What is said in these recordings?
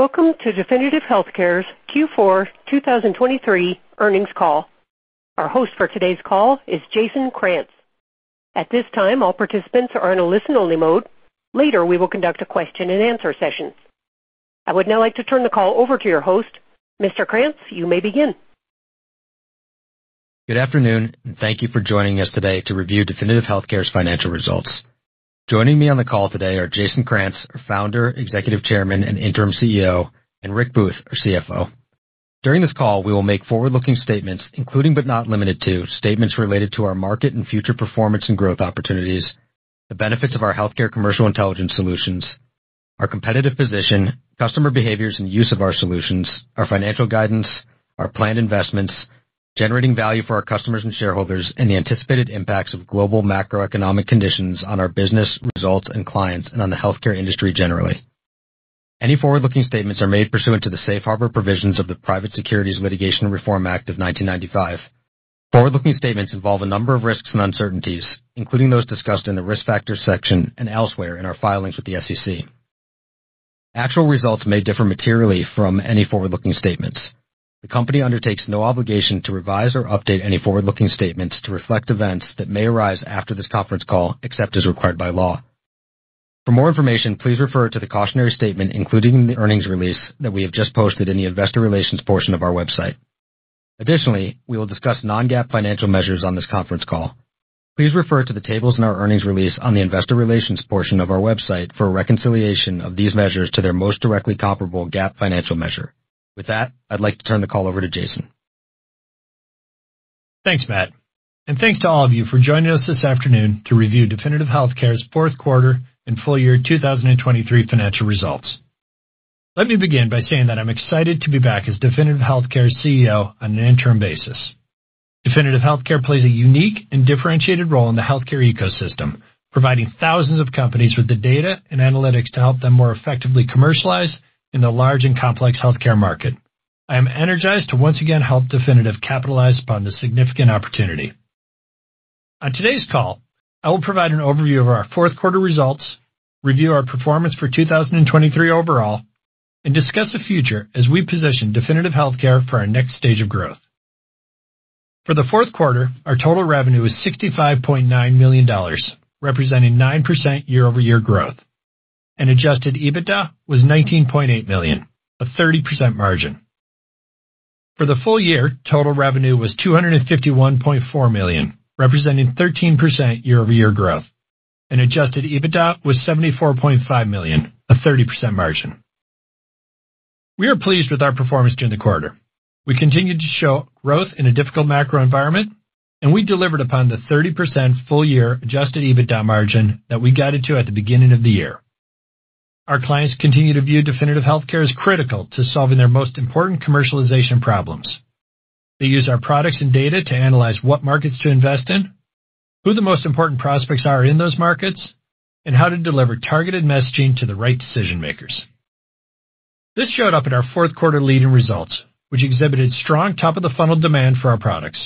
Welcome to Definitive Healthcare's Q4 2023 earnings call. Our host for today's call is Jason Krantz. At this time, all participants are in a listen-only mode. Later, we will conduct a question and answer session. I would now like to turn the call over to your host. Mr. Krantz, you may begin. Good afternoon, and thank you for joining us today to review Definitive Healthcare's financial results. Joining me on the call today are Jason Krantz, our founder, Executive Chairman, and interim CEO, and Rick Booth, our CFO. During this call, we will make forward-looking statements, including, but not limited to, statements related to our market and future performance and growth opportunities, the benefits of our healthcare commercial intelligence solutions, our competitive position, customer behaviors, and use of our solutions, our financial guidance, our planned investments, generating value for our customers and shareholders, and the anticipated impacts of global macroeconomic conditions on our business results and clients, and on the healthcare industry generally. Any forward-looking statements are made pursuant to the safe harbor provisions of the Private Securities Litigation Reform Act of 1995. Forward-looking statements involve a number of risks and uncertainties, including those discussed in the Risk Factors section and elsewhere in our filings with the SEC. Actual results may differ materially from any forward-looking statements. The company undertakes no obligation to revise or update any forward-looking statements to reflect events that may arise after this conference call, except as required by law. For more information, please refer to the cautionary statement, including the earnings release that we have just posted in the investor relations portion of our website. Additionally, we will discuss non-GAAP financial measures on this conference call. Please refer to the tables in our earnings release on the investor relations portion of our website for a reconciliation of these measures to their most directly comparable GAAP financial measure. With that, I'd like to turn the call over to Jason. Thanks, Matt, and thanks to all of you for joining us this afternoon to review Definitive Healthcare's Q4 and full year 2023 financial results. Let me begin by saying that I'm excited to be back as Definitive Healthcare's CEO on an interim basis. Definitive Healthcare plays a unique and differentiated role in the healthcare ecosystem, providing thousands of companies with the data and analytics to help them more effectively commercialize in the large and complex healthcare market. I am energized to once again help Definitive capitalize upon this significant opportunity. On today's call, I will provide an overview of our Q4 results, review our performance for 2023 overall, and discuss the future as we position Definitive Healthcare for our next stage of growth. For the Q4, our total revenue was $65.9 million, representing 9% year-over-year growth, and adjusted EBITDA was $19.8 million, a 30% margin. For the full year, total revenue was $251.4 million, representing 13% year-over-year growth, and adjusted EBITDA was $74.5 million, a 30% margin. We are pleased with our performance during the quarter. We continued to show growth in a difficult macro environment, and we delivered upon the 30% full-year adjusted EBITDA margin that we guided to at the beginning of the year. Our clients continue to view Definitive Healthcare as critical to solving their most important commercialization problems. They use our products and data to analyze what markets to invest in, who the most important prospects are in those markets, and how to deliver targeted messaging to the right decision makers. This showed up in our Q4 leading results, which exhibited strong top-of-the-funnel demand for our products.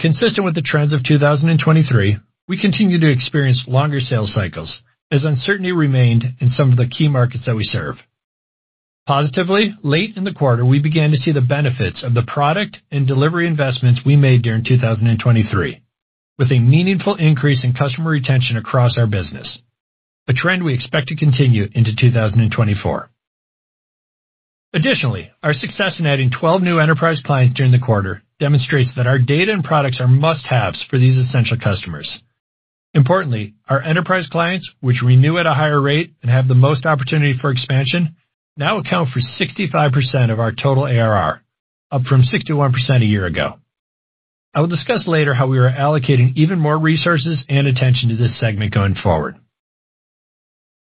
Consistent with the trends of 2023, we continued to experience longer sales cycles as uncertainty remained in some of the key markets that we serve. Positively, late in the quarter, we began to see the benefits of the product and delivery investments we made during 2023, with a meaningful increase in customer retention across our business, a trend we expect to continue into 2024. Additionally, our success in adding 12 new enterprise clients during the quarter demonstrates that our data and products are must-haves for these essential customers. Importantly, our enterprise clients, which renew at a higher rate and have the most opportunity for expansion, now account for 65% of our total ARR, up from 61% a year ago. I will discuss later how we are allocating even more resources and attention to this segment going forward.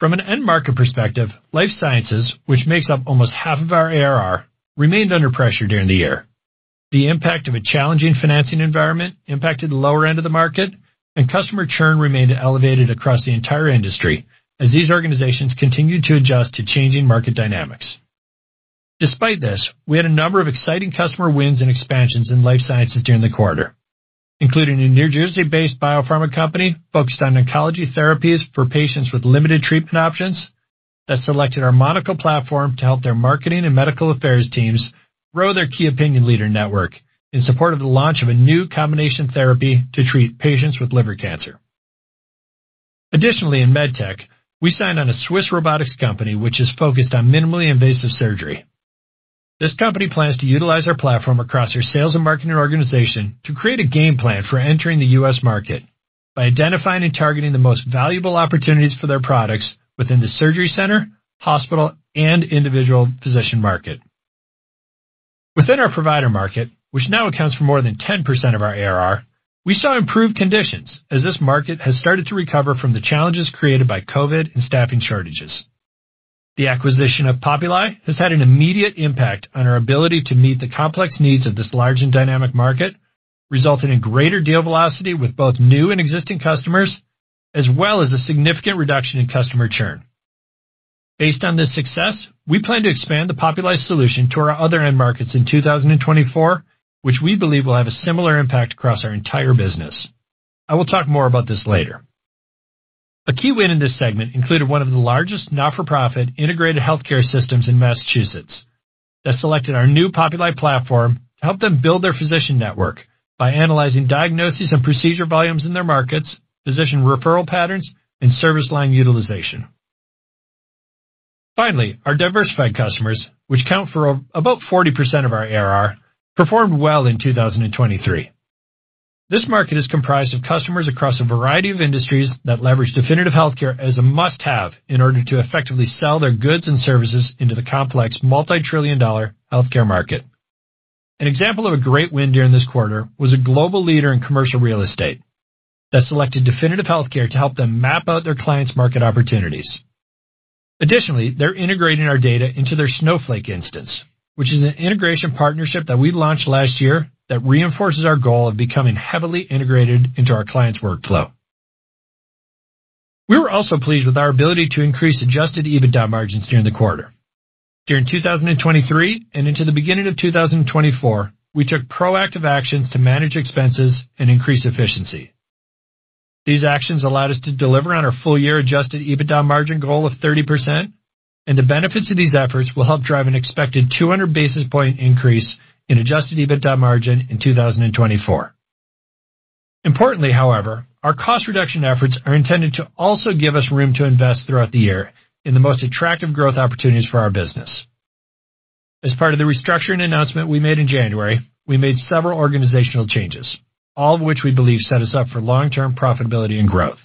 From an end market perspective, life sciences, which makes up almost half of our ARR, remained under pressure during the year. The impact of a challenging financing environment impacted the lower end of the market, and customer churn remained elevated across the entire industry as these organizations continued to adjust to changing market dynamics. Despite this, we had a number of exciting customer wins and expansions in life sciences during the quarter, including a New Jersey-based biopharma company focused on oncology therapies for patients with limited treatment options, that selected our Monocl platform to help their marketing and medical affairs teams grow their key opinion leader network in support of the launch of a new combination therapy to treat patients with liver cancer. Additionally, in MedTech, we signed on a Swiss robotics company, which is focused on minimally invasive surgery. This company plans to utilize our platform across their sales and marketing organization to create a game plan for entering the U.S. market by identifying and targeting the most valuable opportunities for their products within the surgery center, hospital, and individual physician market. Within our provider market, which now accounts for more than 10% of our ARR, we saw improved conditions as this market has started to recover from the challenges created by COVID and staffing shortages. The acquisition of Populi has had an immediate impact on our ability to meet the complex needs of this large and dynamic market, resulting in greater deal velocity with both new and existing customers, as well as a significant reduction in customer churn. Based on this success, we plan to expand the Populi solution to our other end markets in 2024, which we believe will have a similar impact across our entire business. I will talk more about this later. A key win in this segment included one of the largest not-for-profit integrated healthcare systems in Massachusetts, that selected our new Populi platform to help them build their physician network by analyzing diagnoses and procedure volumes in their markets, physician referral patterns, and service line utilization. Finally, our diversified customers, which count for about 40% of our ARR, performed well in 2023. This market is comprised of customers across a variety of industries that leverage Definitive Healthcare as a must-have in order to effectively sell their goods and services into the complex multi-trillion-dollar healthcare market. An example of a great win during this quarter was a global leader in commercial real estate, that selected Definitive Healthcare to help them map out their clients' market opportunities. Additionally, they're integrating our data into their Snowflake instance, which is an integration partnership that we launched last year that reinforces our goal of becoming heavily integrated into our clients' workflow. We were also pleased with our ability to increase adjusted EBITDA margins during the quarter. During 2023 and into the beginning of 2024, we took proactive actions to manage expenses and increase efficiency. These actions allowed us to deliver on our full-year adjusted EBITDA margin goal of 30%, and the benefits of these efforts will help drive an expected 200 basis point increase in adjusted EBITDA margin in 2024. Importantly, however, our cost reduction efforts are intended to also give us room to invest throughout the year in the most attractive growth opportunities for our business. As part of the restructuring announcement we made in January, we made several organizational changes, all of which we believe set us up for long-term profitability and growth.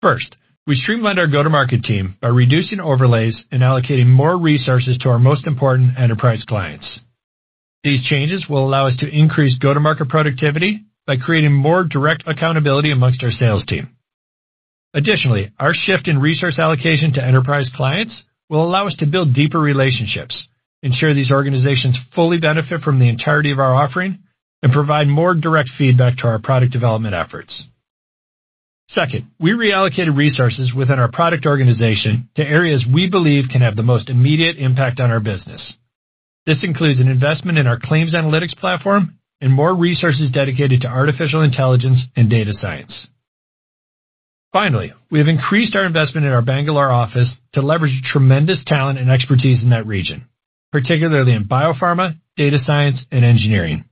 First, we streamlined our go-to-market team by reducing overlays and allocating more resources to our most important enterprise clients. These changes will allow us to increase go-to-market productivity by creating more direct accountability among our sales team. Additionally, our shift in resource allocation to enterprise clients will allow us to build deeper relationships, ensure these organizations fully benefit from the entirety of our offering, and provide more direct feedback to our product development efforts. Second, we reallocated resources within our product organization to areas we believe can have the most immediate impact on our business. This includes an investment in our claims analytics platform and more resources dedicated to artificial intelligence and data science. Finally, we have increased our investment in our Bangalore office to leverage tremendous talent and expertise in that region, particularly in biopharma, data science, and engineering.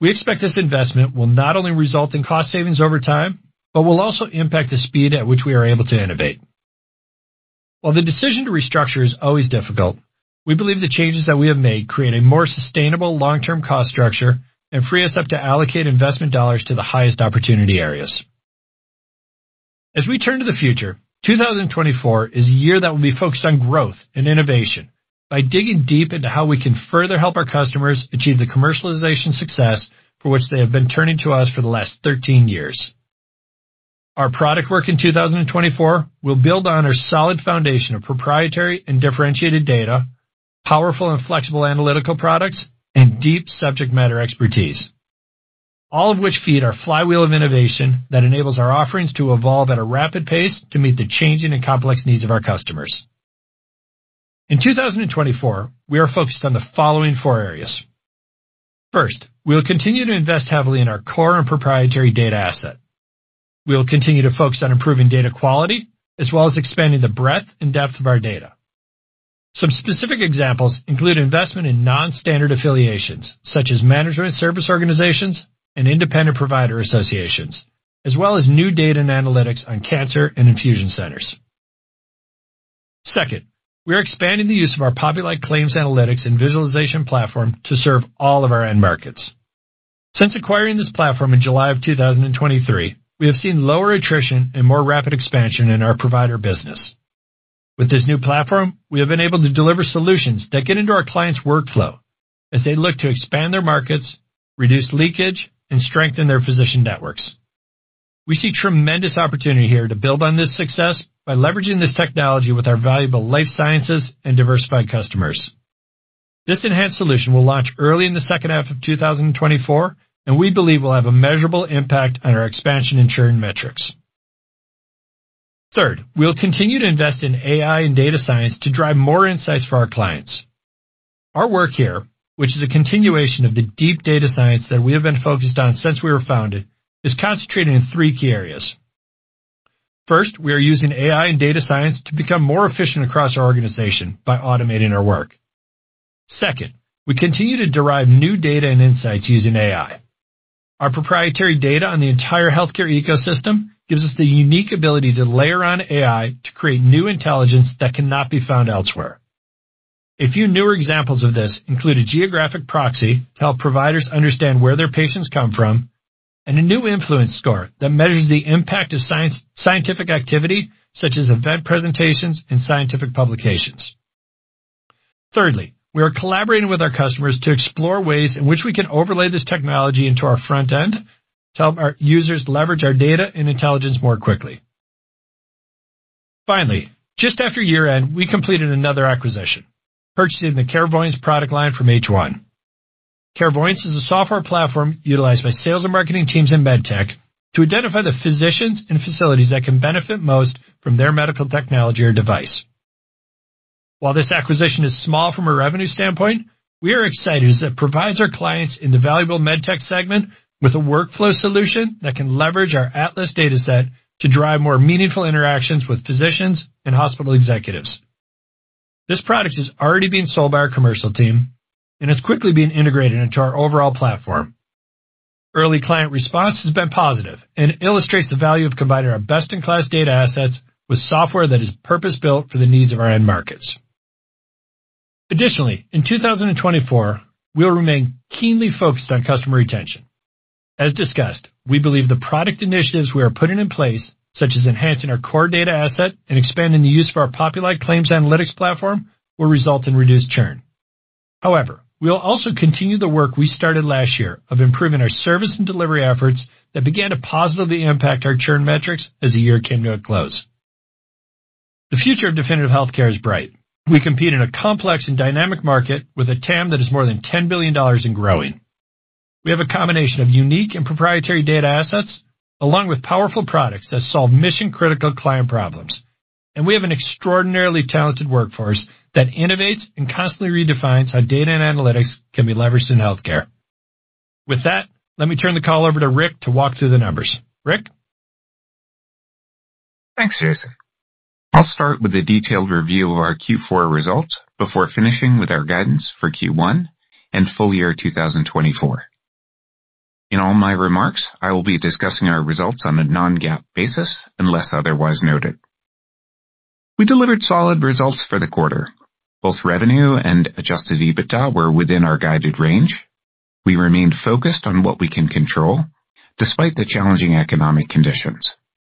We expect this investment will not only result in cost savings over time, but will also impact the speed at which we are able to innovate. While the decision to restructure is always difficult, we believe the changes that we have made create a more sustainable long-term cost structure and free us up to allocate investment dollars to the highest opportunity areas. As we turn to the future, 2024 is a year that will be focused on growth and innovation by digging deep into how we can further help our customers achieve the commercialization success for which they have been turning to us for the last 13 years. Our product work in 2024 will build on our solid foundation of proprietary and differentiated data, powerful and flexible analytical products, and deep subject matter expertise, all of which feed our flywheel of innovation that enables our offerings to evolve at a rapid pace to meet the changing and complex needs of our customers. In 2024, we are focused on the following four areas. First, we will continue to invest heavily in our core and proprietary data asset. We will continue to focus on improving data quality, as well as expanding the breadth and depth of our data. Some specific examples include investment in non-standard affiliations, such as management service organizations and independent provider associations, as well as new data and analytics on cancer and infusion centers. Second, we are expanding the use of our Populi claims analytics and visualization platform to serve all of our end markets. Since acquiring this platform in July 2023, we have seen lower attrition and more rapid expansion in our provider business. With this new platform, we have been able to deliver solutions that get into our clients' workflow as they look to expand their markets, reduce leakage, and strengthen their physician networks. We see tremendous opportunity here to build on this success by leveraging this technology with our valuable life sciences and diversified customers. This enhanced solution will launch early in the H2 of 2024, and we believe will have a measurable impact on our expansion and churn metrics. Third, we'll continue to invest in AI and data science to drive more insights for our clients. Our work here, which is a continuation of the deep data science that we have been focused on since we were founded, is concentrated in three key areas. First, we are using AI and data science to become more efficient across our organization by automating our work. Second, we continue to derive new data and insights using AI. Our proprietary data on the entire healthcare ecosystem gives us the unique ability to layer on AI to create new intelligence that cannot be found elsewhere. A few newer examples of this include a geographic proxy to help providers understand where their patients come from, and a new influence score that measures the impact of science, scientific activity, such as event presentations and scientific publications. Thirdly, we are collaborating with our customers to explore ways in which we can overlay this technology into our front end to help our users leverage our data and intelligence more quickly. Finally, just after year-end, we completed another acquisition, purchasing the Carevoyance product line from H1. Carevoyance is a software platform utilized by sales and marketing teams in MedTech to identify the physicians and facilities that can benefit most from their medical technology or device. While this acquisition is small from a revenue standpoint, we are excited as it provides our clients in the valuable MedTech segment with a workflow solution that can leverage our Atlas Dataset to drive more meaningful interactions with physicians and hospital executives. This product is already being sold by our commercial team and is quickly being integrated into our overall platform. Early client response has been positive and illustrates the value of combining our best-in-class data assets with software that is purpose-built for the needs of our end markets. Additionally, in 2024, we'll remain keenly focused on customer retention. As discussed, we believe the product initiatives we are putting in place, such as enhancing our core data asset and expanding the use of our Populi claims analytics platform, will result in reduced churn. However, we will also continue the work we started last year of improving our service and delivery efforts that began to positively impact our churn metrics as the year came to a close. The future of Definitive Healthcare is bright. We compete in a complex and dynamic market with a TAM that is more than $10 billion and growing. We have a combination of unique and proprietary data assets, along with powerful products that solve mission-critical client problems. We have an extraordinarily talented workforce that innovates and constantly redefines how data and analytics can be leveraged in healthcare. With that, let me turn the call over to Rick to walk through the numbers. Rick? Thanks, Jason. I'll start with a detailed review of our Q4 results before finishing with our guidance for Q1 and full year 2024. In all my remarks, I will be discussing our results on a non-GAAP basis, unless otherwise noted. We delivered solid results for the quarter. Both revenue and adjusted EBITDA were within our guided range. We remained focused on what we can control despite the challenging economic conditions,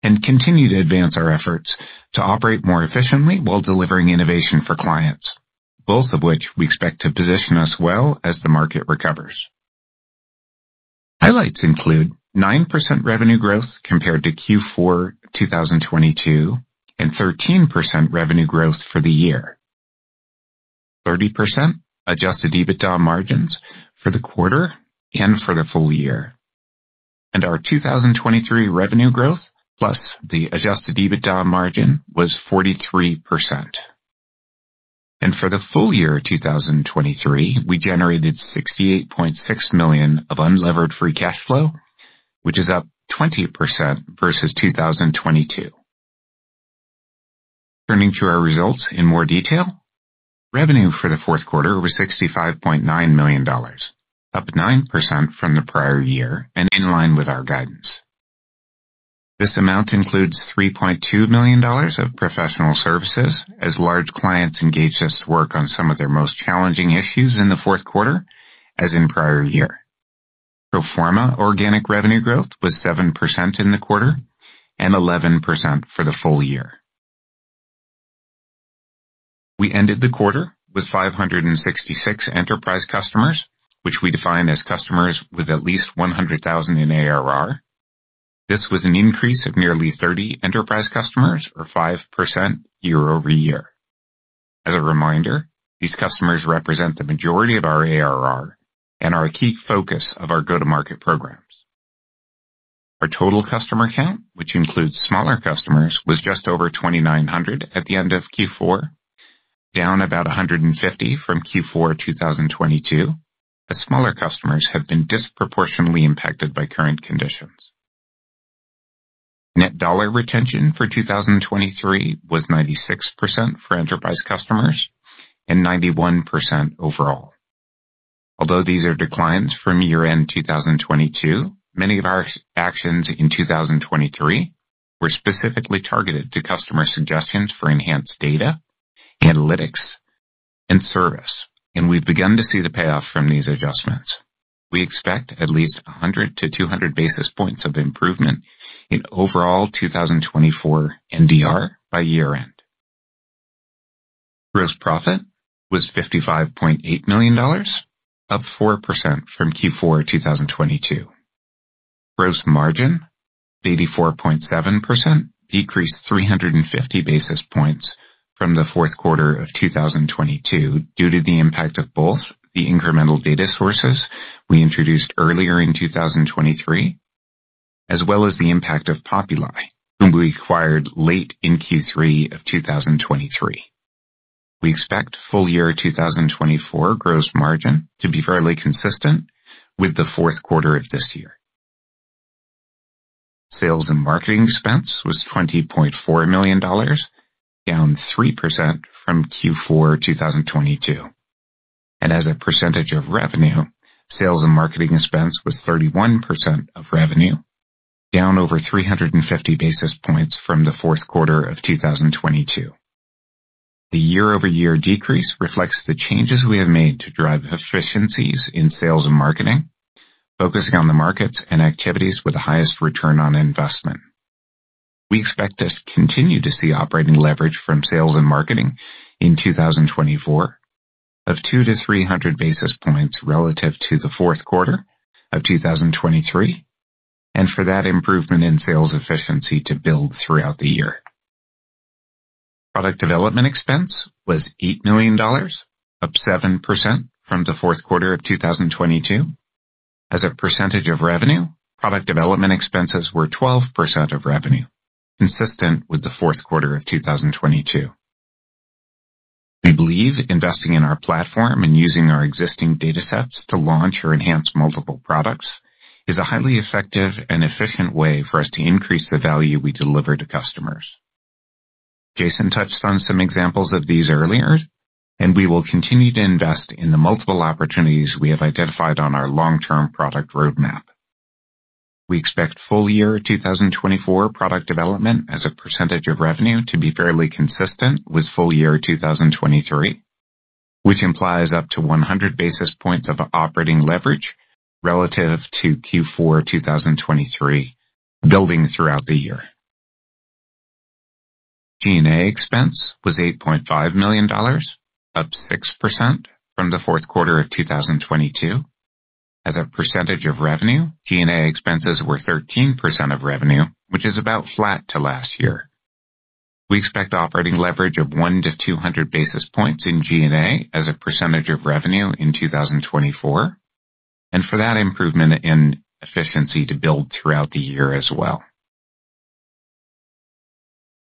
and continue to advance our efforts to operate more efficiently while delivering innovation for clients, both of which we expect to position us well as the market recovers. Highlights include 9% revenue growth compared to Q4 2022, and 13% revenue growth for the year. 30% adjusted EBITDA margins for the quarter and for the full year. Our 2023 revenue growth, plus the adjusted EBITDA margin, was 43%. For the full year 2023, we generated $68.6 million of unlevered free cash flow, which is up 20% versus 2022. Turning to our results in more detail. Revenue for the Q4 was $65.9 million, up 9% from the prior year and in line with our guidance. This amount includes $3.2 million of professional services, as large clients engaged us to work on some of their most challenging issues in the fourth quarter, as in prior year. Pro forma organic revenue growth was 7% in the quarter and 11% for the full year. We ended the quarter with 566 enterprise customers, which we define as customers with at least $100,000 in ARR. This was an increase of nearly 30 enterprise customers, or 5% year-over-year. As a reminder, these customers represent the majority of our ARR and are a key focus of our go-to-market programs. Our total customer count, which includes smaller customers, was just over 2,900 at the end of Q4, down about 150 from Q4 2022, as smaller customers have been disproportionately impacted by current conditions. Net dollar retention for 2023 was 96% for enterprise customers and 91% overall. Although these are declines from year-end 2022, many of our actions in 2023 were specifically targeted to customer suggestions for enhanced data, analytics, and service, and we've begun to see the payoff from these adjustments. We expect at least 100-200 basis points of improvement in overall 2024 NDR by year-end. Gross profit was $55.8 million, up 4% from Q4 2022. Gross margin, 84.7%, decreased 350 basis points from the Q4 of 2022 due to the impact of both the incremental data sources we introduced earlier in 2023, as well as the impact of Populi, whom we acquired late in Q3 of 2023. We expect full year 2024 gross margin to be fairly consistent with the Q4 of this year. Sales and marketing expense was $20.4 million, down 3% from Q4 2022. As a percentage of revenue, sales and marketing expense was 31% of revenue, down over 350 basis points from the Q4 of 2022. The year-over-year decrease reflects the changes we have made to drive efficiencies in sales and marketing, focusing on the markets and activities with the highest return on investment. We expect to continue to see operating leverage from sales and marketing in 2024 of 200-300 basis points relative to the Q4 of 2023, and for that improvement in sales efficiency to build throughout the year. Product development expense was $8 million, up 7% from the Q4 of 2022. As a percentage of revenue, product development expenses were 12% of revenue, consistent with the Q4 of 2022. We believe investing in our platform and using our existing datasets to launch or enhance multiple products is a highly effective and efficient way for us to increase the value we deliver to customers. Jason touched on some examples of these earlier, and we will continue to invest in the multiple opportunities we have identified on our long-term product roadmap. We expect full year 2024 product development as a percentage of revenue to be fairly consistent with full year 2023, which implies up to 100 basis points of operating leverage relative to Q4 2023, building throughout the year. G&A expense was $8.5 million, up 6% from the Q4 of 2022. As a percentage of revenue, G&A expenses were 13% of revenue, which is about flat to last year. We expect operating leverage of 100-200 basis points in G&A as a percentage of revenue in 2024, and for that improvement in efficiency to build throughout the year as well.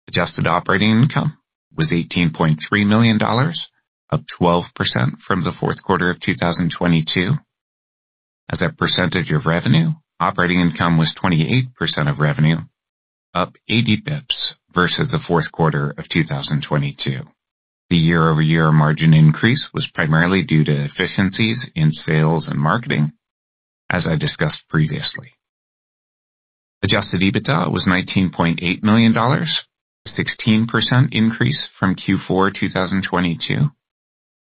Adjusted operating income was $18.3 million, up 12% from the Q4 of 2022. As a percentage of revenue, operating income was 28% of revenue, up 80 basis points versus the Q4 of 2022. The year-over-year margin increase was primarily due to efficiencies in sales and marketing, as I discussed previously. Adjusted EBITDA was $19.8 million, a 16% increase from Q4 2022.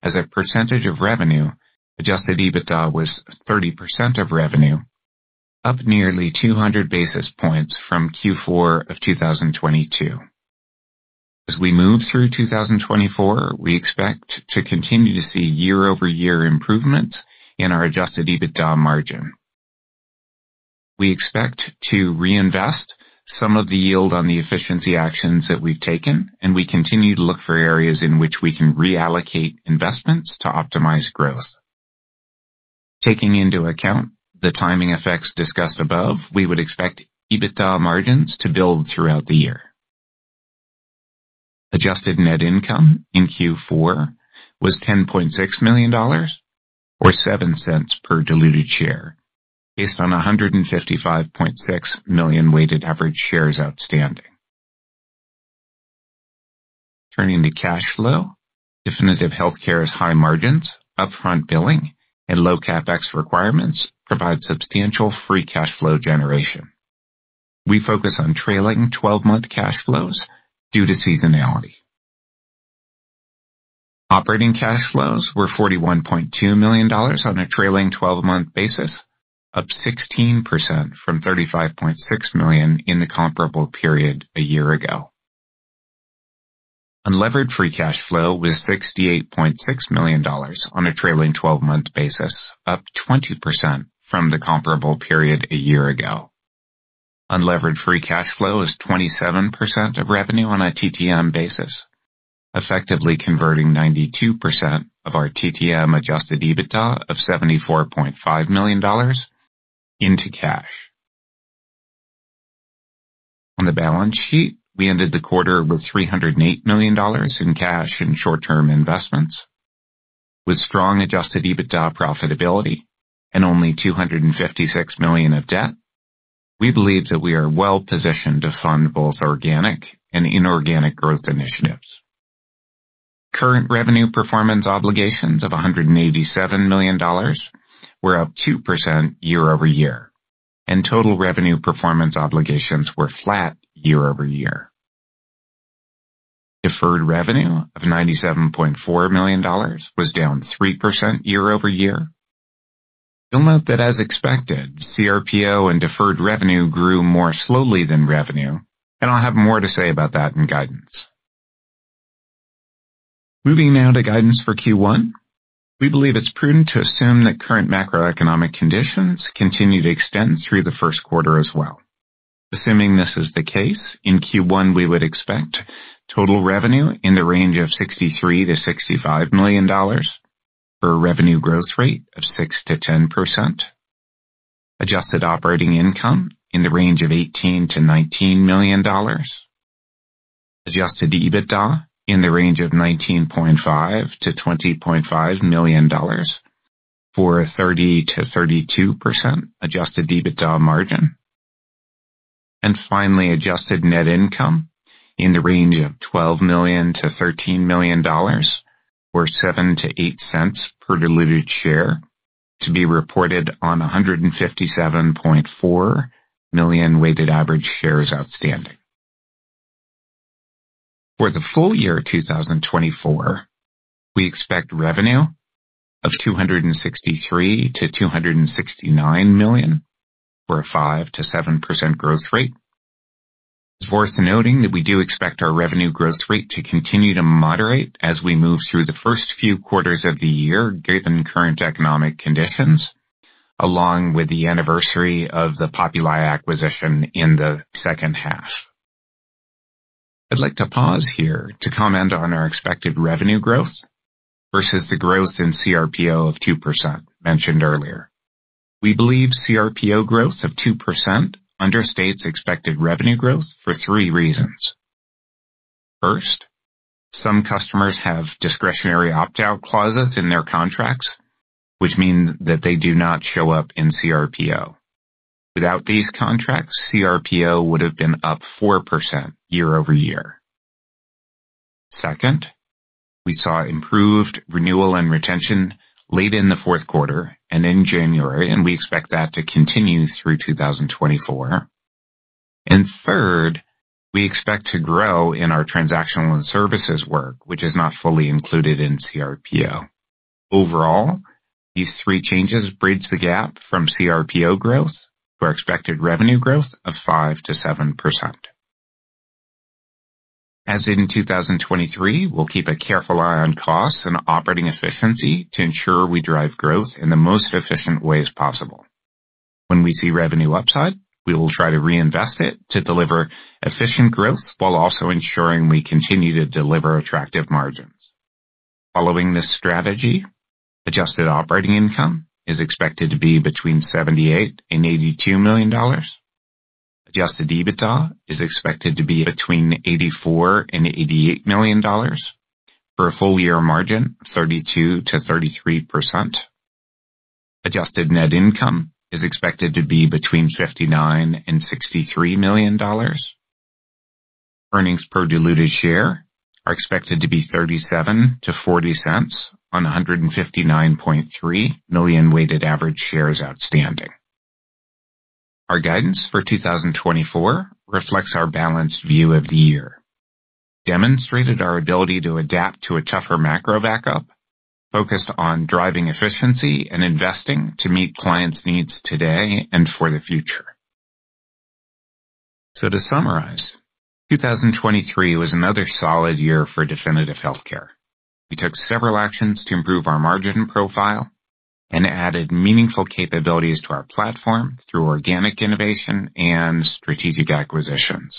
As a percentage of revenue, adjusted EBITDA was 30% of revenue, up nearly 200 basis points from Q4 of 2022. As we move through 2024, we expect to continue to see year-over-year improvements in our adjusted EBITDA margin. We expect to reinvest some of the yield on the efficiency actions that we've taken, and we continue to look for areas in which we can reallocate investments to optimize growth. Taking into account the timing effects discussed above, we would expect EBITDA margins to build throughout the year. Adjusted net income in Q4 was $10.6 million, or $0.07 per diluted share, based on 155.6 million weighted average shares outstanding. Turning to cash flow, Definitive Healthcare's high margins, upfront billing, and low CapEx requirements provide substantial free cash flow generation. We focus on trailing-twelve-month cash flows due to seasonality. Operating cash flows were $41.2 million on a trailing twelve-month basis, up 16% from $35.6 million in the comparable period a year ago. Unlevered free cash flow was $68.6 million on a trailing twelve-month basis, up 20% from the comparable period a year ago. Unlevered free cash flow is 27% of revenue on a TTM basis, effectively converting 92% of our TTM adjusted EBITDA of $74.5 million into cash. On the balance sheet, we ended the quarter with $308 million in cash and short-term investments. With strong adjusted EBITDA profitability and only $256 million of debt, we believe that we are well positioned to fund both organic and inorganic growth initiatives. Current revenue performance obligations of $187 million were up 2% year-over-year, and total revenue performance obligations were flat year-over-year. Deferred revenue of $97.4 million was down 3% year-over-year. You'll note that, as expected, CRPO and deferred revenue grew more slowly than revenue, and I'll have more to say about that in guidance. Moving now to guidance for Q1. We believe it's prudent to assume that current macroeconomic conditions continue to extend through the Q1 as well. Assuming this is the case, in Q1, we would expect total revenue in the range of $63 million-$65 million for a revenue growth rate of 6%-10%. Adjusted operating income in the range of $18 million-$19 million. Adjusted EBITDA in the range of $19.5 million-$20.5 million for a 30%-32% adjusted EBITDA margin. And finally, adjusted net income in the range of $12 million-$13 million or $0.07-$0.08 per diluted share, to be reported on a 157.4 million weighted average shares outstanding. For the full year of 2024, we expect revenue of $263 million-$269 million, for a 5%-7% growth rate. It's worth noting that we do expect our revenue growth rate to continue to moderate as we move through the first few quarters of the year, given current economic conditions, along with the anniversary of the Populi acquisition in the H2. I'd like to pause here to comment on our expected revenue growth versus the growth in CRPO of 2%, mentioned earlier. We believe CRPO growth of 2% understates expected revenue growth for three reasons. First, some customers have discretionary opt-out clauses in their contracts, which mean that they do not show up in CRPO. Without these contracts, CRPO would have been up 4% year-over-year. Second, we saw improved renewal and retention late in the Q4 and in January, and we expect that to continue through 2024. And third, we expect to grow in our transactional and services work, which is not fully included in CRPO. Overall, these three changes bridge the gap from CRPO growth to our expected revenue growth of 5%-7%. As in 2023, we'll keep a careful eye on costs and operating efficiency to ensure we drive growth in the most efficient ways possible. When we see revenue upside, we will try to reinvest it to deliver efficient growth while also ensuring we continue to deliver attractive margins. Following this strategy, adjusted operating income is expected to be between $78 million and $82 million. Adjusted EBITDA is expected to be between $84 million and $88 million, for a full year margin of 32%-33%. Adjusted net income is expected to be between $59 million and $63 million. Earnings per diluted share are expected to be $0.37-$0.40 on 159.3 million weighted average shares outstanding. Our guidance for 2024 reflects our balanced view of the year, demonstrated our ability to adapt to a tougher macro backdrop, focused on driving efficiency and investing to meet clients' needs today and for the future. So to summarize, 2023 was another solid year for Definitive Healthcare. We took several actions to improve our margin profile and added meaningful capabilities to our platform through organic innovation and strategic acquisitions.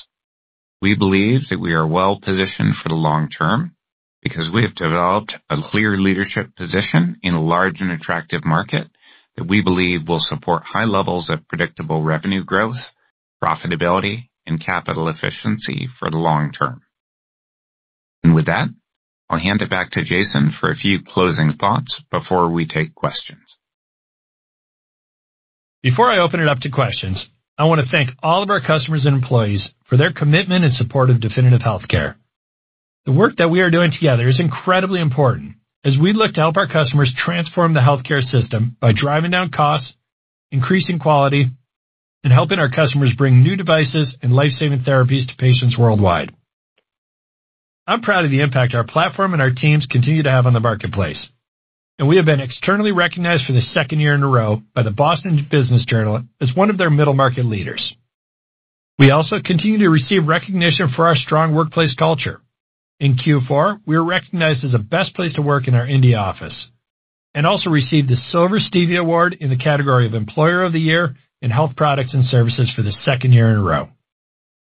We believe that we are well positioned for the long term because we have developed a clear leadership position in a large and attractive market that we believe will support high levels of predictable revenue growth, profitability, and capital efficiency for the long term. With that, I'll hand it back to Jason for a few closing thoughts before we take questions. Before I open it up to questions, I want to thank all of our customers and employees for their commitment and support of Definitive Healthcare. The work that we are doing together is incredibly important as we look to help our customers transform the healthcare system by driving down costs, increasing quality, and helping our customers bring new devices and life-saving therapies to patients worldwide. I'm proud of the impact our platform and our teams continue to have on the marketplace, and we have been externally recognized for the second year in a row by the Boston Business Journal as one of their Middle Market Leaders. We also continue to receive recognition for our strong workplace culture. In Q4, we were recognized as the best place to work in our India office, and also received the Silver Stevie Award in the category of Employer of the Year in Health Products and Services for the second year in a row.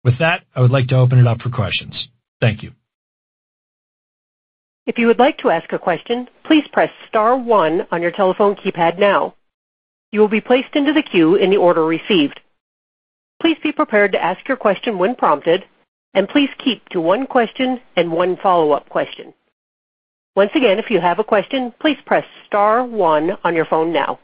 With that, I would like to open it up for questions. Thank you. If you would like to ask a question, please press star one on your telephone keypad now. You will be placed into the queue in the order received. Please be prepared to ask your question when prompted, and please keep to one question and one follow-up question. Once again, if you have a question, please press star one on your phone now.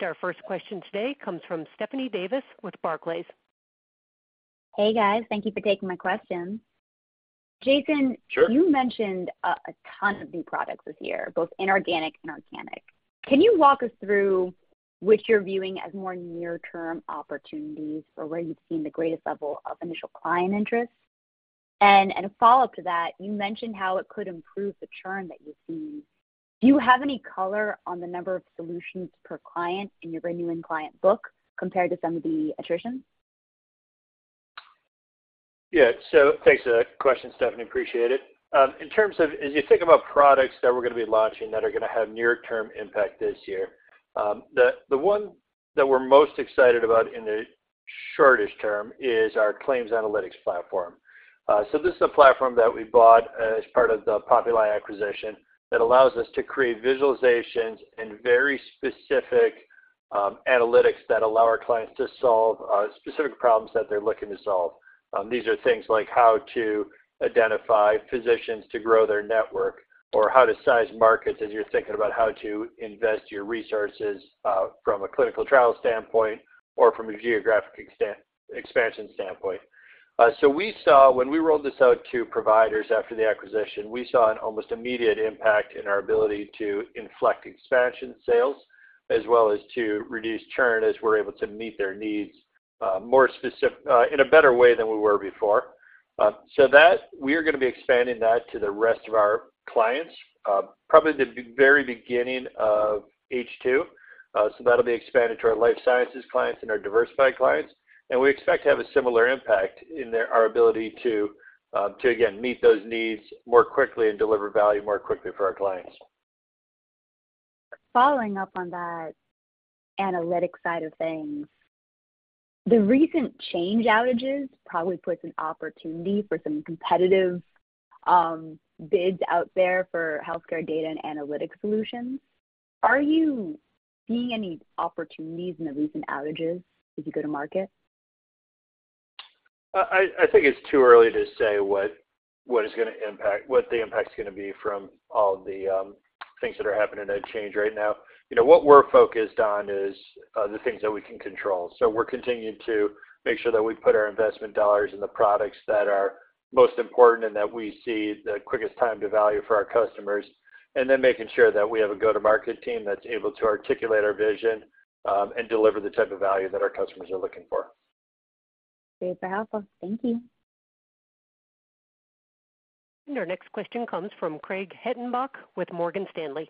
Our first question today comes from Stephanie Davis with Barclays. Hey, guys. Thank you for taking my question. Jason- Sure. You mentioned a ton of new products this year, both inorganic and organic. Can you walk us through what you're viewing as more near-term opportunities or where you've seen the greatest level of initial client interest? And a follow-up to that, you mentioned how it could improve the churn that you've seen. Do you have any color on the number of solutions per client in your renewing client book compared to some of the attrition? Yeah. So thanks for that question, Stephanie. Appreciate it. In terms of, as you think about products that we're gonna be launching that are gonna have near-term impact this year, the one that we're most excited about in the shortest term is our claims analytics platform. So this is a platform that we bought as part of the Populi acquisition that allows us to create visualizations and very specific analytics that allow our clients to solve specific problems that they're looking to solve. These are things like how to identify physicians to grow their network, or how to size markets as you're thinking about how to invest your resources from a clinical trial standpoint or from a geographic expansion standpoint. So we saw when we rolled this out to providers after the acquisition, we saw an almost immediate impact in our ability to inflect expansion sales, as well as to reduce churn as we're able to meet their needs, more specific, in a better way than we were before. So that, we are gonna be expanding that to the rest of our clients, probably the very beginning of H2. So that'll be expanded to our life sciences clients and our diversified clients, and we expect to have a similar impact in our ability to, again, meet those needs more quickly and deliver value more quickly for our clients.... Following up on that analytics side of things, the recent Change Healthcare outages probably puts an opportunity for some competitive, bids out there for healthcare data and analytics solutions. Are you seeing any opportunities in the recent outages as you go to market? I think it's too early to say what is gonna impact, what the impact's gonna be from all the things that are happening at Change right now. You know, what we're focused on is the things that we can control. So we're continuing to make sure that we put our investment dollars in the products that are most important and that we see the quickest time to value for our customers, and then making sure that we have a go-to-market team that's able to articulate our vision, and deliver the type of value that our customers are looking for. Great, helpful. Thank you. Our next question comes from Craig Hettenbach with Morgan Stanley.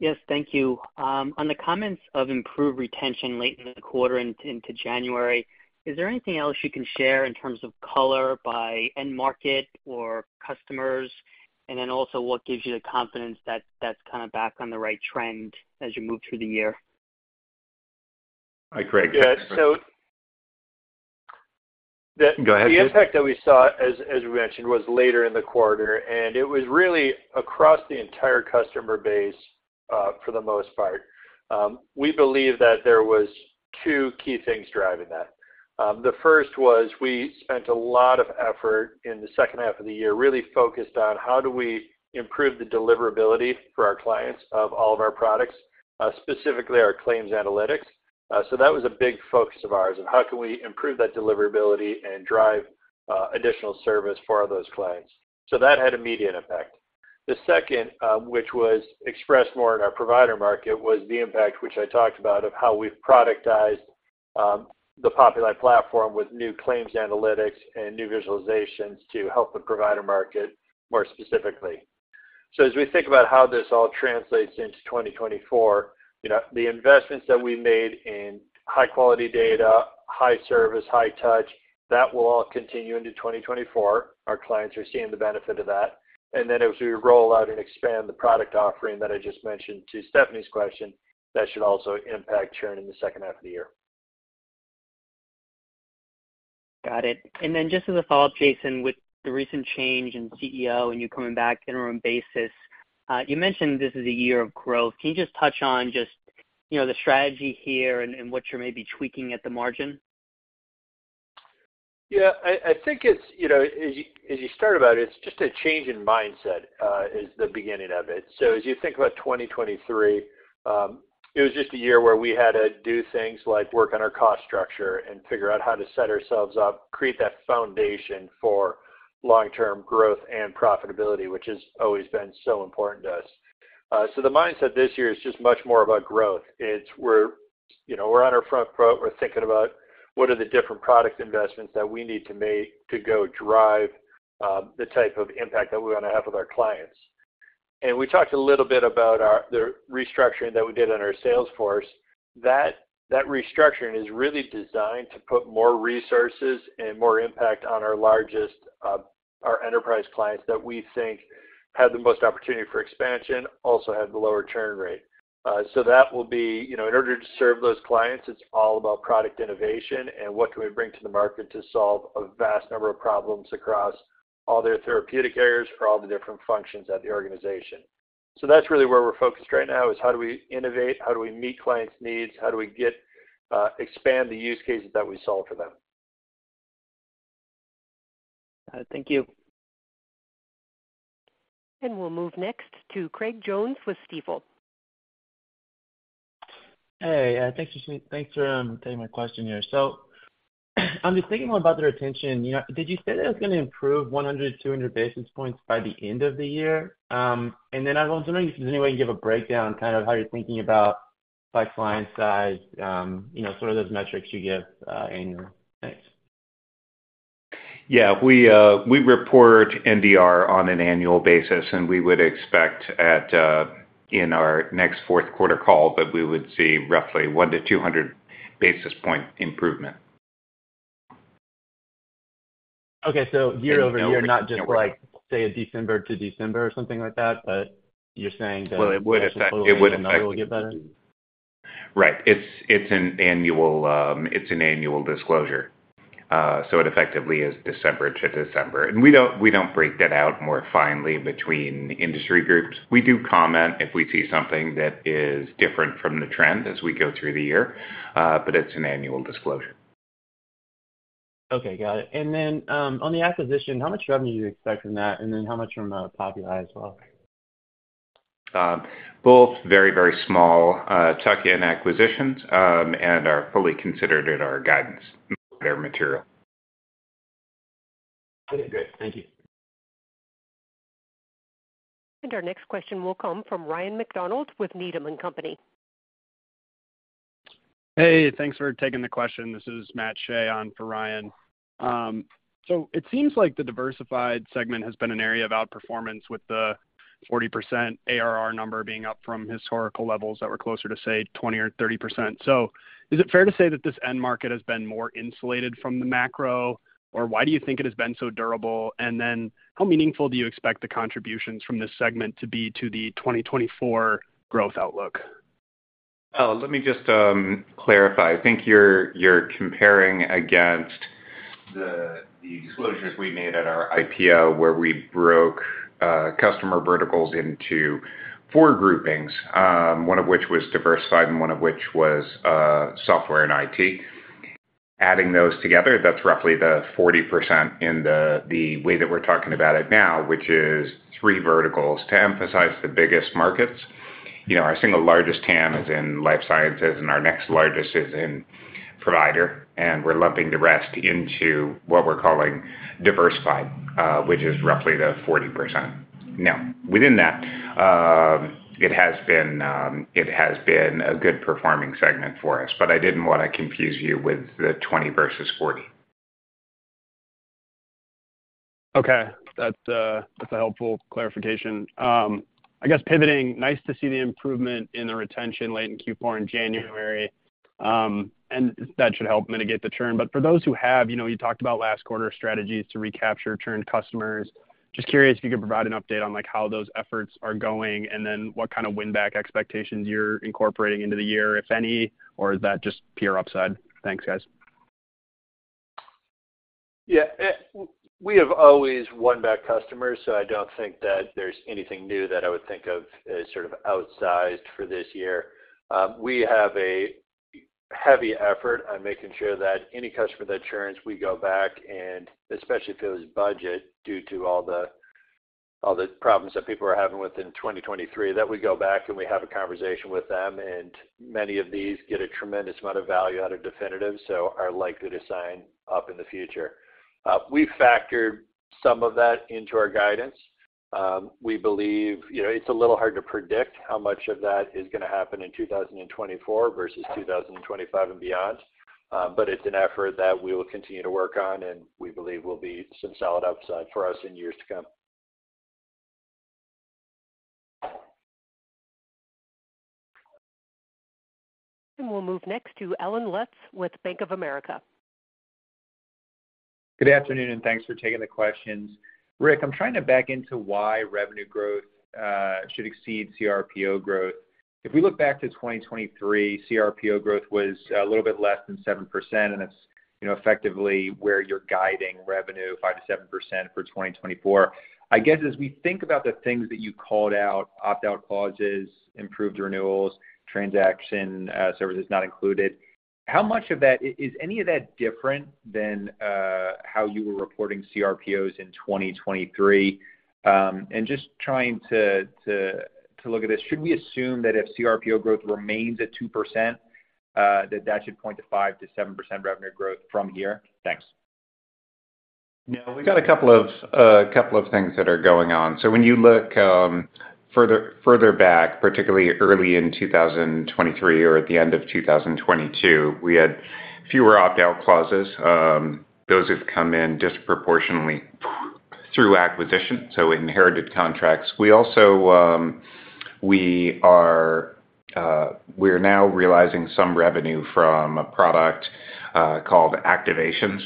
Yes, thank you. On the comments of improved retention late in the quarter and into January, is there anything else you can share in terms of color by end market or customers? And then also, what gives you the confidence that that's kind of back on the right trend as you move through the year? Hi, Craig. Yeah, so- Go ahead, Jason. The impact that we saw, as we mentioned, was later in the quarter, and it was really across the entire customer base, for the most part. We believe that there was two key things driving that. The first was we spent a lot of effort in the second half of the year, really focused on how do we improve the deliverability for our clients of all of our products, specifically our claims analytics. So that was a big focus of ours, and how can we improve that deliverability and drive, additional service for those clients? So that had immediate effect. The second, which was expressed more in our provider market, was the impact, which I talked about, of how we've productized, the Populi platform with new claims analytics and new visualizations to help the provider market more specifically. So as we think about how this all translates into 2024, you know, the investments that we made in high quality data, high service, high touch, that will all continue into 2024. Our clients are seeing the benefit of that. And then as we roll out and expand the product offering that I just mentioned to Stephanie's question, that should also impact churn in the H2 of the year. Got it. And then just as a follow-up, Jason, with the recent change in CEO and you coming back interim basis, you mentioned this is a year of growth. Can you just touch on just, you know, the strategy here and, and what you're maybe tweaking at the margin? Yeah, I think it's, you know, as you start about it, it's just a change in mindset is the beginning of it. So as you think about 2023, it was just a year where we had to do things like work on our cost structure and figure out how to set ourselves up, create that foundation for long-term growth and profitability, which has always been so important to us. So the mindset this year is just much more about growth. It's we're, you know, we're on our front foot. We're thinking about what are the different product investments that we need to make to go drive the type of impact that we want to have with our clients. And we talked a little bit about our the restructuring that we did on our sales force. That, that restructuring is really designed to put more resources and more impact on our largest, our enterprise clients that we think have the most opportunity for expansion, also have the lower churn rate. So that will be, you know, in order to serve those clients, it's all about product innovation and what can we bring to the market to solve a vast number of problems across all their therapeutic areas for all the different functions at the organization. So that's really where we're focused right now, is how do we innovate? How do we meet clients' needs? How do we get, expand the use cases that we solve for them? Thank you. We'll move next to Craig Jones with Stifel. Hey, thanks for taking my question here. So I'm just thinking more about the retention. You know, did you say that it was gonna improve 100-200 basis points by the end of the year? And then I was wondering if there's any way you can give a breakdown, kind of how you're thinking about by client size, you know, sort of those metrics you give annually. Thanks. Yeah, we report NDR on an annual basis, and we would expect in our next Q4 call that we would see roughly 100-200 basis point improvement. Okay, so year-over-year, not just like, say, a December to December or something like that, but you're saying that- Well, it would affect... It will get better? Right. It's an annual disclosure, so it effectively is December to December. We don't break that out more finely between industry groups. We do comment if we see something that is different from the trend as we go through the year, but it's an annual disclosure. Okay, got it. And then, on the acquisition, how much revenue do you expect from that? And then how much from Populi as well? Both very, very small tuck-in acquisitions and are fully considered in our guidance. Not material. Okay, great. Thank you. Our next question will come from Ryan McDonald with Needham and Company. Hey, thanks for taking the question. This is Matt Shea on for Ryan. So it seems like the diversified segment has been an area of outperformance, with the 40% ARR number being up from historical levels that were closer to, say, 20% or 30%. So is it fair to say that this end market has been more insulated from the macro, or why do you think it has been so durable? And then how meaningful do you expect the contributions from this segment to be to the 2024 growth outlook? ... Oh, let me just clarify. I think you're comparing against the disclosures we made at our IPO, where we broke customer verticals into four groupings, one of which was diversified and one of which was software and IT. Adding those together, that's roughly the 40% in the way that we're talking about it now, which is three verticals. To emphasize the biggest markets, you know, our single largest TAM is in life sciences, and our next largest is in provider, and we're lumping the rest into what we're calling diversified, which is roughly the 40%. Now, within that, it has been a good performing segment for us, but I didn't want to confuse you with the 20 versus 40. Okay, that's a, that's a helpful clarification. I guess pivoting, nice to see the improvement in the retention late in Q4, in January. And that should help mitigate the churn. But for those who have, you know, you talked about last quarter strategies to recapture churned customers. Just curious if you could provide an update on, like, how those efforts are going, and then what kind of win-back expectations you're incorporating into the year, if any, or is that just pure upside? Thanks, guys. We have always won back customers, so I don't think that there's anything new that I would think of as sort of outsized for this year. We have a heavy effort on making sure that any customer that churns, we go back, and especially if it was budget, due to all the problems that people are having within 2023, that we go back and we have a conversation with them, and many of these get a tremendous amount of value out of Definitive, so are likely to sign up in the future. We've factored some of that into our guidance. We believe, you know, it's a little hard to predict how much of that is gonna happen in 2024 versus 2025 and beyond, but it's an effort that we will continue to work on, and we believe will be some solid upside for us in years to come. We'll move next to Allen Lutz with Bank of America. Good afternoon, and thanks for taking the questions. Rick, I'm trying to back into why revenue growth should exceed CRPO growth. If we look back to 2023, CRPO growth was a little bit less than 7%, and it's, you know, effectively where you're guiding revenue, 5%-7% for 2024. I guess, as we think about the things that you called out, opt-out clauses, improved renewals, transaction services not included, how much of that? Is any of that different than how you were reporting CRPOs in 2023? And just trying to look at this, should we assume that if CRPO growth remains at 2%, that that should point to 5%-7% revenue growth from here? Thanks. No, we've got a couple of things that are going on. So when you look further back, particularly early in 2023 or at the end of 2022, we had fewer opt-out clauses. Those have come in disproportionately through acquisition, so inherited contracts. We also, we're now realizing some revenue from a product called Activations,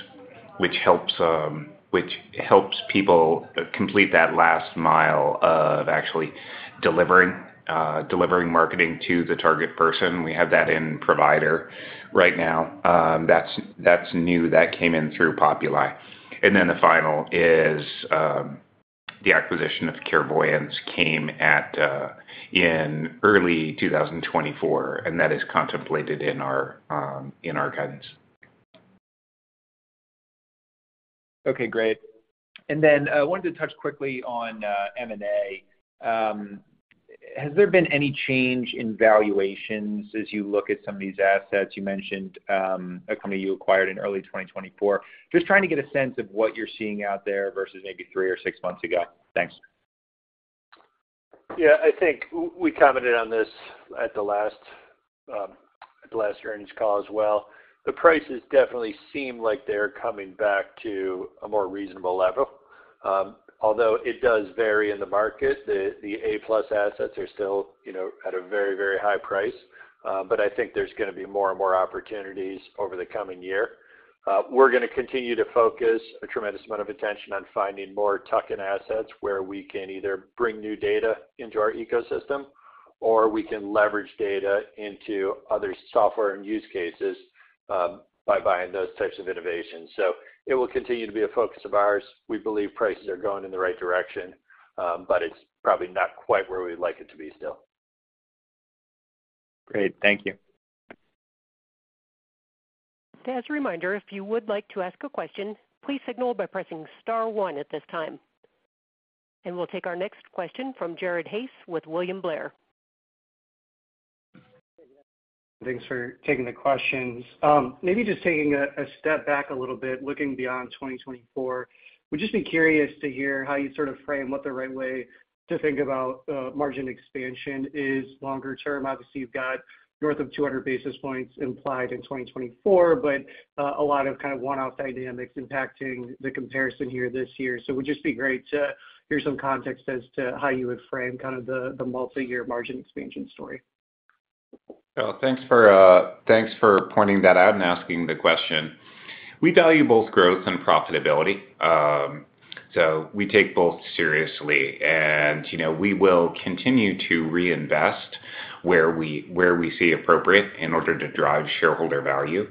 which helps people complete that last mile of actually delivering marketing to the target person. We have that in provider right now. That's new. That came in through Populi. And then the final is, the acquisition of Carevoyance came in early 2024, and that is contemplated in our guidance. Okay, great. And then, I wanted to touch quickly on M&A. Has there been any change in valuations as you look at some of these assets? You mentioned a company you acquired in early 2024. Just trying to get a sense of what you're seeing out there versus maybe three or six months ago. Thanks. Yeah, I think we commented on this at the last earnings call as well. The prices definitely seem like they're coming back to a more reasonable level. Although it does vary in the market, the A-plus assets are still, you know, at a very, very high price, but I think there's gonna be more and more opportunities over the coming year. We're gonna continue to focus a tremendous amount of attention on finding more tuck-in assets, where we can either bring new data into our ecosystem, or we can leverage data into other software and use cases, by buying those types of innovations. So it will continue to be a focus of ours. We believe prices are going in the right direction, but it's probably not quite where we'd like it to be still. Great. Thank you. As a reminder, if you would like to ask a question, please signal by pressing star one at this time. We'll take our next question from Jared Haase with William Blair. Thanks for taking the questions. Maybe just taking a step back a little bit, looking beyond 2024, would just be curious to hear how you sort of frame what the right way to think about margin expansion is longer term. Obviously, you've got north of 200 basis points implied in 2024, but a lot of kind of one-off dynamics impacting the comparison here this year. So it would just be great to hear some context as to how you would frame kind of the multiyear margin expansion story. Oh, thanks for pointing that out and asking the question. We value both growth and profitability. So we take both seriously, and, you know, we will continue to reinvest where we see appropriate in order to drive shareholder value.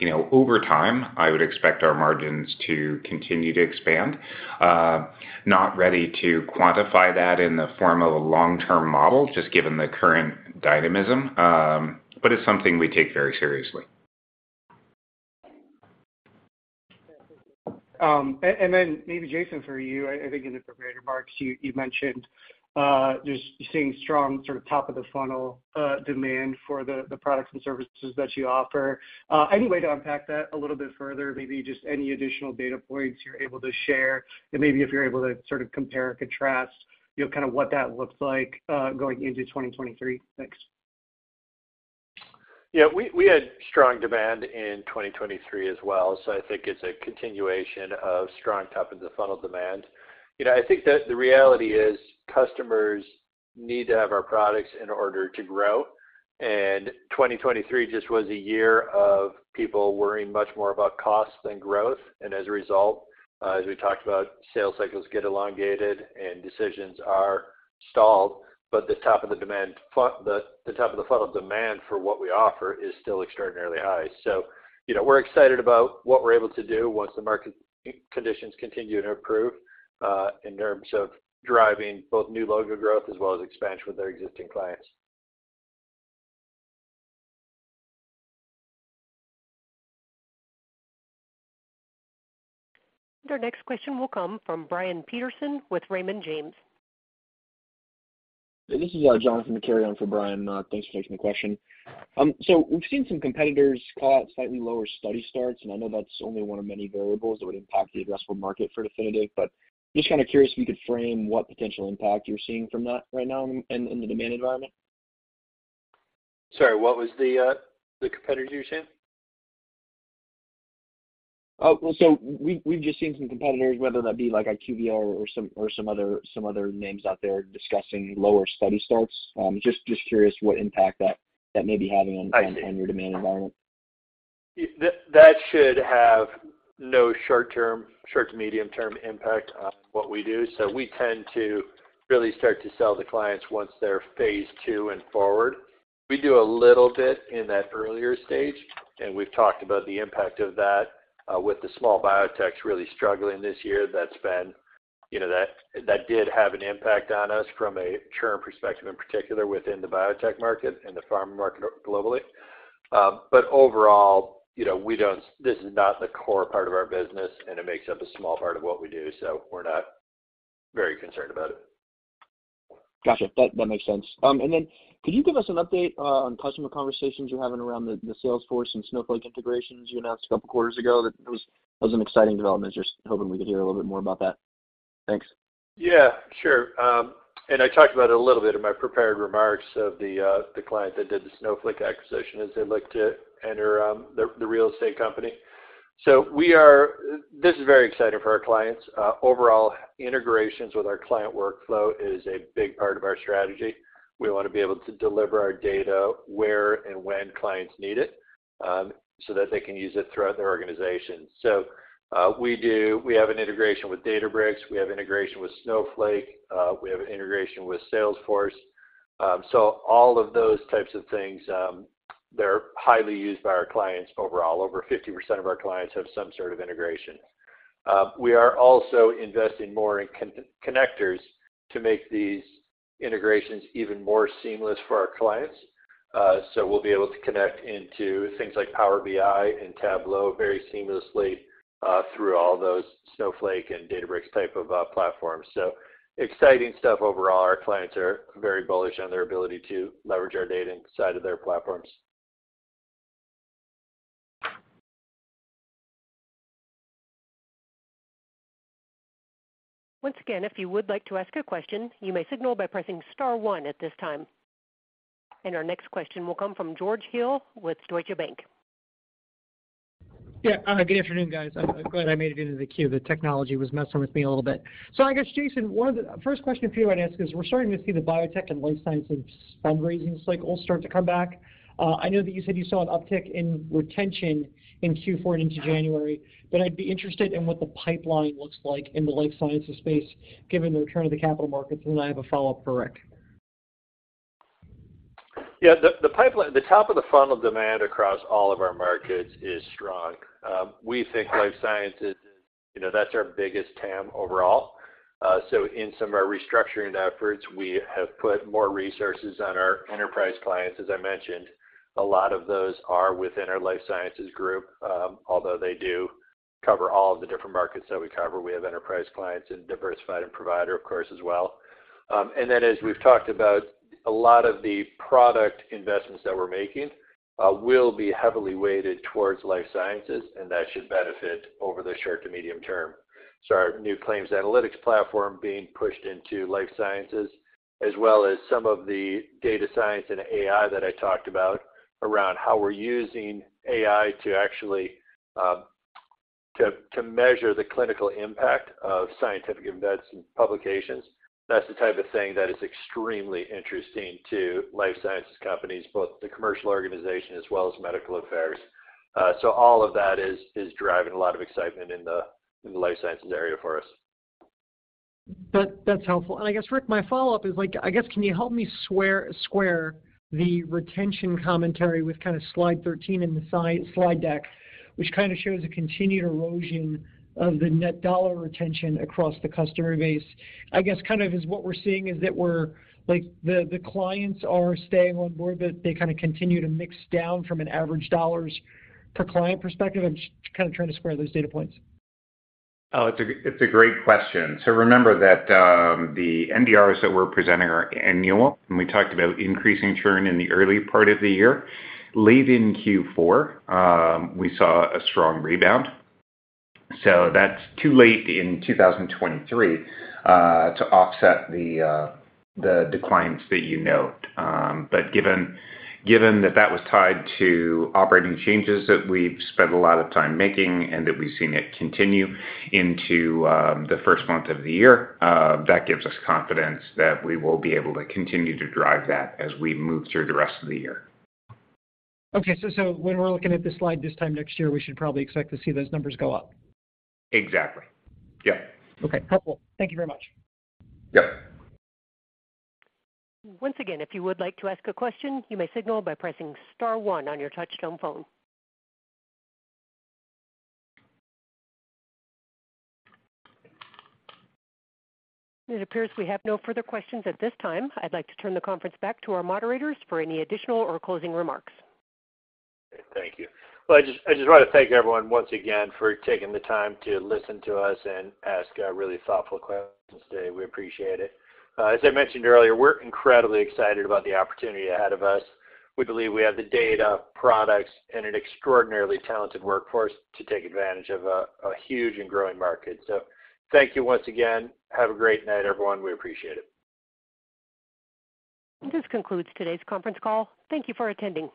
You know, over time, I would expect our margins to continue to expand. Not ready to quantify that in the form of a long-term model, just given the current dynamism, but it's something we take very seriously. And then maybe Jason, for you, I think in the prepared remarks, you mentioned just seeing strong sort of top-of-the-funnel demand for the products and services that you offer. Any way to unpack that a little bit further, maybe just any additional data points you're able to share? And maybe if you're able to sort of compare and contrast, you know, kind of what that looks like going into 2023. Thanks. Yeah, we had strong demand in 2023 as well, so I think it's a continuation of strong top-of-the-funnel demand. You know, I think that the reality is customers need to have our products in order to grow, and 2023 just was a year of people worrying much more about cost than growth. And as a result, as we talked about, sales cycles get elongated and decisions are stalled, but the top of the funnel demand for what we offer is still extraordinarily high. So, you know, we're excited about what we're able to do once the market conditions continue to improve, in terms of driving both new logo growth as well as expansion with our existing clients. Our next question will come from Brian Peterson with Raymond James. This is, Jonathan McCary on for Brian. Thanks for taking the question. So we've seen some competitors call out slightly lower study starts, and I know that's only one of many variables that would impact the addressable market for Definitive, but just kind of curious if you could frame what potential impact you're seeing from that right now in the demand environment. Sorry, what was the, the competitors you were saying? Oh, well, so we've just seen some competitors, whether that be like IQVIA or some other names out there discussing lower study starts. Just curious what impact that may be having on- I see. on your demand environment. That should have no short term, short to medium term impact on what we do. So we tend to really start to sell to clients once they're phase two and forward. We do a little bit in that earlier stage, and we've talked about the impact of that with the small biotech's really struggling this year. That's been, you know, that, that did have an impact on us from a churn perspective, in particular within the biotech market and the pharma market globally. But overall, you know, we don't—this is not the core part of our business, and it makes up a small part of what we do, so we're not very concerned about it. Gotcha, that makes sense. And then could you give us an update on customer conversations you're having around the Salesforce and Snowflake integrations you announced a couple quarters ago? That was an exciting development. Just hoping we could hear a little bit more about that. Thanks. Yeah, sure. And I talked about it a little bit in my prepared remarks of the client that did the Snowflake acquisition as they'd like to enter the real estate company. So we are. This is very exciting for our clients. Overall, integrations with our client workflow is a big part of our strategy. We want to be able to deliver our data where and when clients need it, so that they can use it throughout their organization. So, we do. We have an integration with Databricks, we have integration with Snowflake, we have integration with Salesforce. So all of those types of things, they're highly used by our clients overall. Over 50% of our clients have some sort of integration. We are also investing more in connectors to make these integrations even more seamless for our clients. So we'll be able to connect into things like Power BI and Tableau very seamlessly, through all those Snowflake and Databricks type of platforms. So exciting stuff overall. Our clients are very bullish on their ability to leverage our data inside of their platforms. Once again, if you would like to ask a question, you may signal by pressing star one at this time. Our next question will come from George Hill with Deutsche Bank. Yeah, good afternoon, guys. I'm glad I made it into the queue. The technology was messing with me a little bit. So I guess, Jason, one of the... First question for you I'd ask is, we're starting to see the biotech and life sciences fundraising cycle start to come back. I know that you said you saw an uptick in retention in Q4 into January, but I'd be interested in what the pipeline looks like in the life sciences space, given the return of the capital markets, and then I have a follow-up for Rick. Yeah, the pipeline, the top of the funnel demand across all of our markets is strong. We think life sciences, you know, that's our biggest TAM overall. So in some of our restructuring efforts, we have put more resources on our enterprise clients. As I mentioned, a lot of those are within our life sciences group, although they do cover all of the different markets that we cover. We have enterprise clients in diversified and provider, of course, as well. And then as we've talked about, a lot of the product investments that we're making, will be heavily weighted towards life sciences, and that should benefit over the short to medium term. So our new claims analytics platform being pushed into life sciences, as well as some of the data science and AI that I talked about, around how we're using AI to actually measure the clinical impact of scientific events and publications. That's the type of thing that is extremely interesting to life sciences companies, both the commercial organization as well as medical affairs. So all of that is driving a lot of excitement in the life sciences area for us. That's helpful. And I guess, Rick, my follow-up is like, I guess, can you help me square the retention commentary with kind of slide 13 in the slide deck, which kind of shows a continued erosion of the net dollar retention across the customer base? I guess, kind of is what we're seeing is that we're, like, the clients are staying on board, but they kinda continue to mix down from an average dollars per client perspective. I'm just kind of trying to square those data points. Oh, it's a great question. So remember that the NDRs that we're presenting are annual, and we talked about increasing churn in the early part of the year. Late in Q4, we saw a strong rebound. So that's too late in 2023 to offset the declines that you note. But given that that was tied to operating changes that we've spent a lot of time making and that we've seen it continue into the first month of the year, that gives us confidence that we will be able to continue to drive that as we move through the rest of the year. Okay, so, so when we're looking at this slide this time next year, we should probably expect to see those numbers go up? Exactly. Yeah. Okay. Helpful. Thank you very much. Yep. Once again, if you would like to ask a question, you may signal by pressing star one on your touchtone phone. It appears we have no further questions at this time. I'd like to turn the conference back to our moderators for any additional or closing remarks. Thank you. Well, I just wanna thank everyone once again for taking the time to listen to us and ask really thoughtful questions today. We appreciate it. As I mentioned earlier, we're incredibly excited about the opportunity ahead of us. We believe we have the data, products, and an extraordinarily talented workforce to take advantage of a huge and growing market. So thank you once again. Have a great night, everyone. We appreciate it. This concludes today's conference call. Thank you for attending.